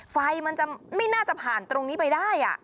ไฟมันจะไม่น่าจะผ่านตรงนี้ไปได้